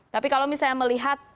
tapi kalau misalnya melihat